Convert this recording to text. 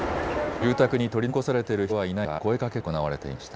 住宅に取り残されている人はいないか声かけが行われていました。